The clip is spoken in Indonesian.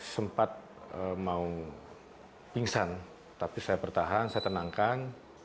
sempat mau pingsan tapi saya bertahan saya tenangkan